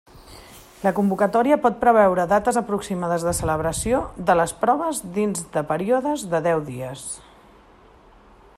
La convocatòria pot preveure dates aproximades de celebració de les proves dins de períodes de deu dies.